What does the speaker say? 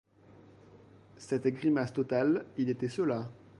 Cette grimace totale, il était cela.